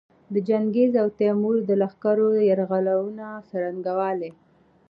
د چنګیز او تیمور د لښکرو د یرغلونو څرنګوالي.